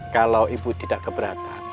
kalau ibu tidak keberatan